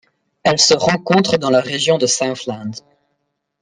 Elle se rencontre dans la région de Southland.